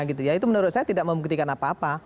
itu menurut saya tidak membuktikan apa apa